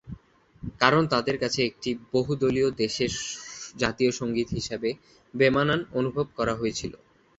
কারণ তাদের কাছে একটি বহুদলীয় দেশের জাতীয় সঙ্গীত হিসেবে বেমানান অনুভব করা হয়েছিল।